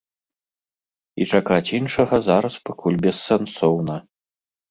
І чакаць іншага зараз пакуль бессэнсоўна.